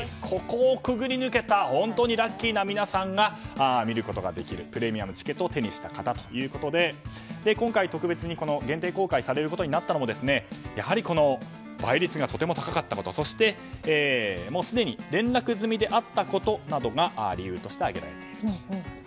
ここを潜り抜けた本当にラッキーな皆さんが見ることができるプレミアムチケットを手にした方ということで今回、特別に限定公開されることになったのもやはり倍率がとても高かったことそして、もうすでに連絡済みであったことなどが理由として挙げられていると。